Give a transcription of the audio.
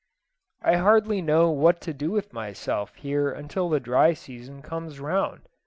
I hardly know what to do with myself here until the dry season comes round.